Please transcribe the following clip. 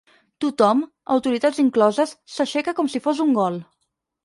Tothom, autoritats incloses, s'aixeca com si fos un gol.